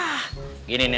ayuh yukut dengan